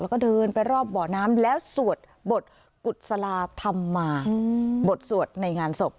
แล้วก็เดินไปรอบบ่อน้ำแล้วสวดบทกุศลาธรรมมาบทสวดในงานศพ